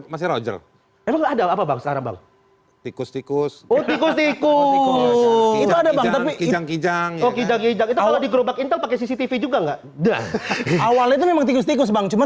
masih roger ada apa bangsa ramal tikus tikus tikus itu ada bang tapi kijang kijang juga enggak awalnya